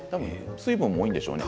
水分も多いんでしょうね。